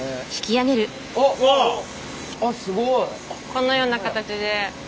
このような形で。